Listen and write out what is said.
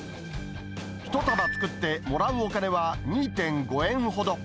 １束作ってもらうお金は２．５円ほど。